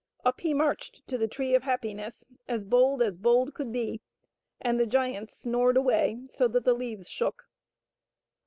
Up he marched to the Tree of Happiness as bold as bold could be, and the giants snored away so that the leaves shook.